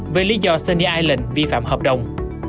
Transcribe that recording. về lý do sunny island vi phạm hợp đồng